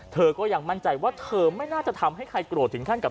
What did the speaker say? เธอก็ยังมั่นใจว่าเธอไม่น่าจะทำให้ใครโกรธถึงขั้นกับ